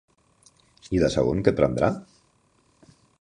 I de segon, què prendrà?